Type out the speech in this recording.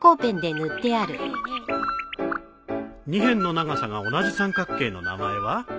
二辺の長さが同じ三角形の名前は？